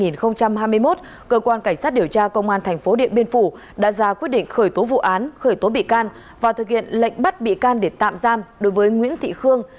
năm hai nghìn hai mươi một cơ quan cảnh sát điều tra công an thành phố điện biên phủ đã ra quyết định khởi tố vụ án khởi tố bị can và thực hiện lệnh bắt bị can để tạm giam đối với nguyễn thị khương